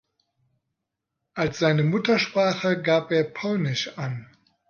Als seine Muttersprache gab er polnisch an.